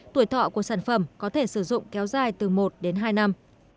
tuổi thọ của sản phẩm có thể sử dụng kéo dài từ một đến hai năm